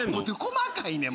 細かいねん。